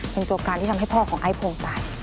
เป็นโจรกรรมที่ทำให้พ่อของไอโพงตาย